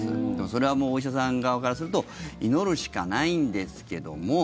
それはお医者さん側からすると祈るしかないんですけども。